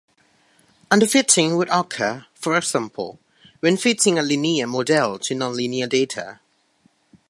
Underfitting would occur, for example, when fitting a linear model to non-linear data.